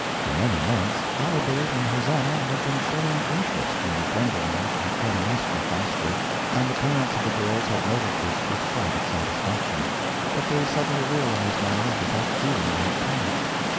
For many months Adelbert and Hosannah had been showing interest in Gwendolen and Clytemnestra Foster, and the parents of the girls had noticed this with private satisfaction. But they suddenly realized now that that feeling had passed.